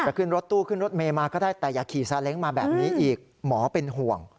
ขึ้นรถตู้ขึ้นรถเมย์มาก็ได้แต่อย่าขี่ซาเล้งมาแบบนี้อีกหมอเป็นห่วง